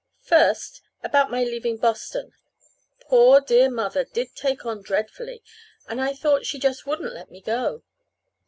First, about my leaving Boston. Poor, dear Mother did take on dreadfully, and I thought she just wouldn't let me go.